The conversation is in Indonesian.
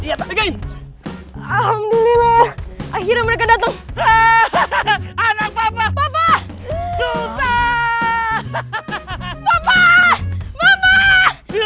akhirnya mereka datang